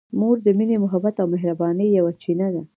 مور د مینې، محبت او مهربانۍ یوه چینه ده.